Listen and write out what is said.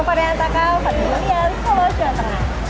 nupanya takal fadli julian solo shona